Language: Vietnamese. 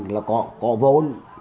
là có vốn